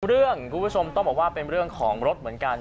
เรื่องคุณผู้ชมต้องบอกว่าเป็นเรื่องของรถเหมือนกัน